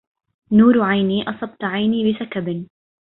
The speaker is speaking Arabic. نور عيني أصبت عيني بسكب